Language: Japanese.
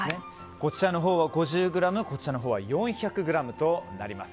こちらは５０ｇこちらは４００ｇとなります。